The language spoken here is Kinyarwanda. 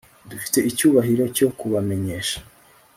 Dufite icyubahiro cyo kubamenyesha